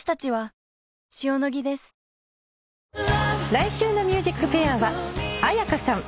来週の『ＭＵＳＩＣＦＡＩＲ』は絢香さん